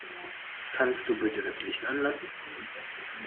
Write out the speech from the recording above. Kannst du bitte das Licht anlassen?